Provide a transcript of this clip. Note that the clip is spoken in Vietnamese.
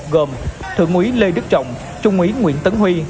gồm thượng úy lê đức trọng trung úy nguyễn tấn huy